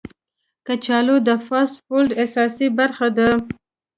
کچالو د فاسټ فوډ اساسي برخه ده